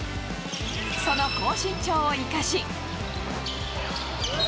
その高身長を生かし。